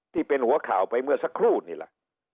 ที่เป็นหัวข่าวไปเมื่อสักครู่นี่แหละ